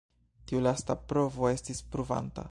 Tiu lasta provo estis pruvanta.